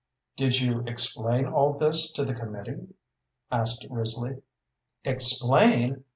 "Did you explain all this to the committee?" asked Risley. "Explain?